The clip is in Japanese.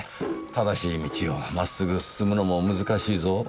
正しい道を真っすぐ進むのも難しいぞ。